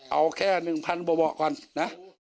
เอาแค่หนึ่งพันบ่อก่อนนะ